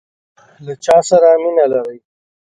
له چاسره مینه لرئ؟